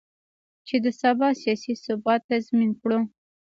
چې د سبا سیاسي ثبات تضمین کړو.